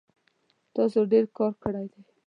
تاسو ډیر کار کړی دی